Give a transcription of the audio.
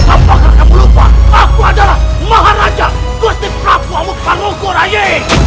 apa kau lupa aku adalah maharaja gusti prabu amu parvoku rayi